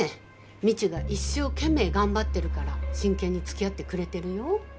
未知が一生懸命頑張ってるから真剣につきあってくれてるよ。